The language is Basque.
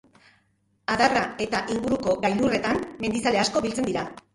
Adarra eta inguruko gailurretan mendizale asko biltzen dira.